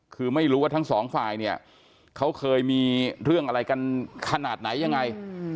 คือไม่รู้ว่าทั้งสองฝ่ายเนี่ยเขาเคยมีเรื่องอะไรกันขนาดไหนยังไง